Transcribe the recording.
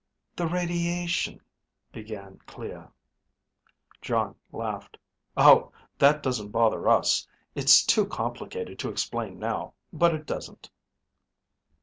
"The radiation ..." began Clea. Jon laughed, "Oh, that doesn't bother us. It's too complicated to explain now, but it doesn't."